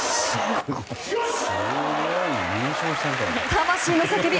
魂の叫び。